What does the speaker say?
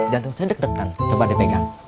jantung saya deg deg dan tempatnya pegang